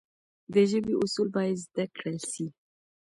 د ژبي اصول باید زده کړل سي.